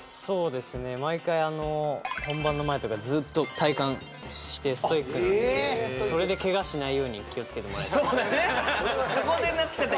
そうですね毎回本番の前とかずっと体幹してストイックなんでそれでケガしないように気をつけてもらいたいですね